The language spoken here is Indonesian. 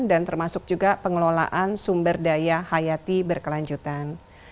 dan termasuk juga pengelolaan sumber daya hayati berkelanjutan